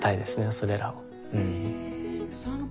それらを。